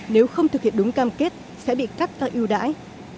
nếu không thực hiện đúng cam kết sẽ bị cắt vào ưu đãi